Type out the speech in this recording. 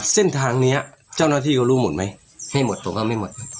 เส้นทางนี้เจ้าหน้าที่เขารู้หมดไหมไม่หมดตัวก็ไม่หมด